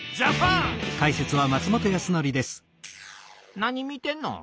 何見てんの？